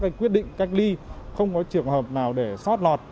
các quyết định cách ly không có trường hợp nào để soát lọt